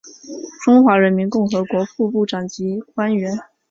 中华人民共和国副部长级官员。